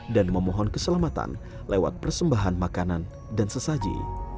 dan memohon keselamatan lewat persembahan makanan dan sesaji